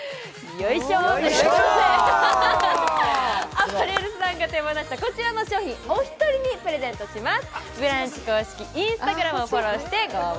あばれるさんが手放したこちらの商品、視聴者の皆さんにプレゼントします。